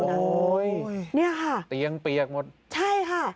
โอ้โหเนี่ยค่ะเตียงเปียกหมดใช่ค่ะ